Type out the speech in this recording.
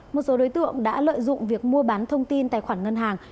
một số đối tượng đã lợi dụng việc mua bán thông tin tài khoản ngân hàng